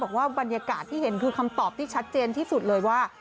บอกว่าบรรยากาศที่เห็นคือคำตอบที่ชัดเจนที่สุดเลยว่า